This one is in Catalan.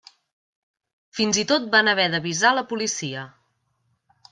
Fins i tot van haver d'avisar la policia.